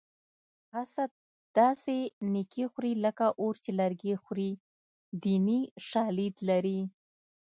حسد داسې نیکي خوري لکه اور چې لرګي خوري دیني شالید لري